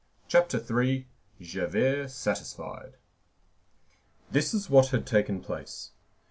CHAPTER III—JAVERT SATISFIED This is what had taken place.